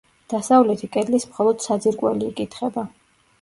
დასავლეთი კედლის მხოლოდ საძირკველი იკითხება.